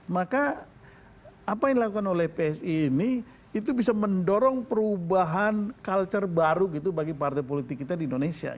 maka apa yang dilakukan oleh psi ini itu bisa mendorong perubahan culture baru gitu bagi partai politik kita di indonesia